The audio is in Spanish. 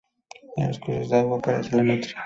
En los cursos de agua aparece la nutria.